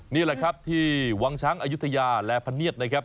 นี่แหละครับที่วังช้างอายุทยาและพะเนียดนะครับ